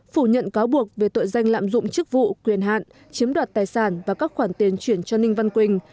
phủ nhận cáo buộc về tội danh lạm dụng chức vụ quyền hạn chiếm đoạt tài sản và các khoản tiền chuyển cho ninh văn quỳnh